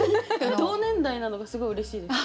同年代なのがすごいうれしいです。